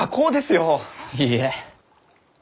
いいえ。